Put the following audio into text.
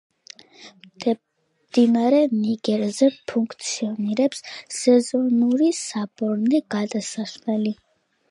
მდინარე ნიგერზე ფუნქციონირებს სეზონური საბორნე გადასასვლელი.